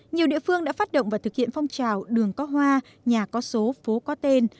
nhiều địa phương đã phát động và thực hiện phong trào đường có hoa nhà có số phố có tên